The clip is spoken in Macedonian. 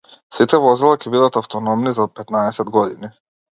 Сите возила ќе бидат автономни за петнаесет години.